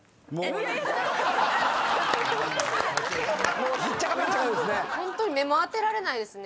もうひっちゃかめっちゃですね。